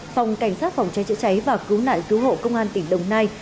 phòng cảnh sát phòng cháy chữa cháy và cứu nạn cứu hộ công an tỉnh đồng nai